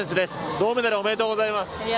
銅メダル、おめでとうございます。